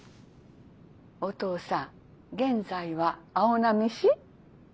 おとうさん現在は青波市？」。